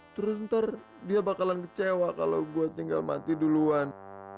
terus ntar dia bakalan kecewa kalau gue tinggal mati duluan